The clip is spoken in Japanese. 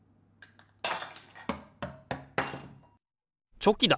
チョキだ！